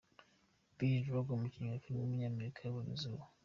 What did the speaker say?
Billy Drago, umukinnyi wa film w’umunyamerika yabonye izuba.